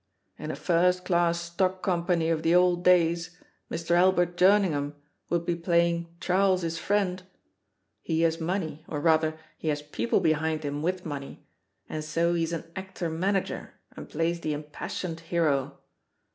In a first class stock company of the old days, Mr. Albert Jer nyngham would be playing 'Charles, his friend' — ^he has money, or, rather, he has people behind him with money, and so he's an actor manager and plays the impassioned hero.